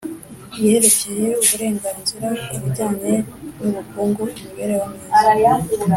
yerekeye Uburenganzira ku bijyanye n ubukungu imibereho myiza